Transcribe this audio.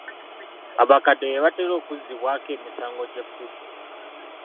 Abakadde be batera okuzzibwako emisango gy'effujjo.